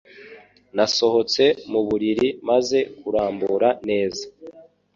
Nasohotse mu buriri maze kurambura neza.